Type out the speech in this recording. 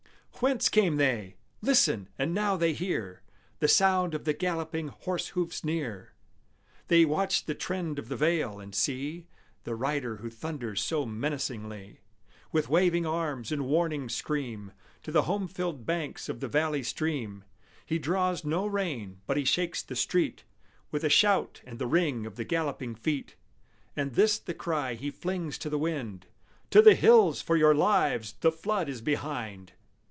Whence come they? Listen! and now they hear The sound of the galloping horse hoofs near; They watch the trend of the vale, and see The rider who thunders so menacingly, With waving arms and warning scream To the home filled banks of the valley stream. He draws no rein, but he shakes the street With a shout and the ring of the galloping feet, And this the cry he flings to the wind, "_To the hills for your lives! The flood is behind!